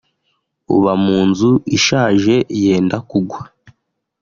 uba mu nzu ishaje yenda kugwa